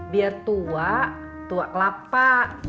biar tua tua kelapa